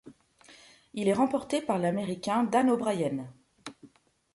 Il est remporté par l'Américain Dan O'Brien.